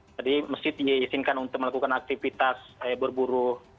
jadi masjid diizinkan untuk melakukan aktivitas berburu